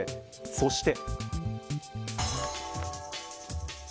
そして。